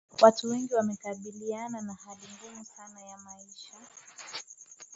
watu wengi wanakabiliana na hali ngumu sana ya maisha